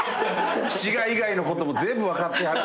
滋賀以外のことも全部分かってはる。